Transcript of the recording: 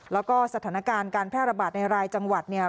แล้วก็สถานการณ์การแพร่ระบาดในรายจังหวัดเนี่ย